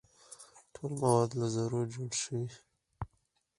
ټول مواد له ذرو جوړ شوي.